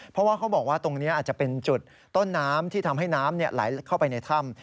เพราะว่าเขาบอกว่าตรงนี้อาจจะเป็นจุดต้นน้ำที่ทำให้น้ำไหลเข้าไปในถ้ำ